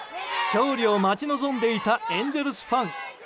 勝利を待ち望んでいたエンゼルスファン。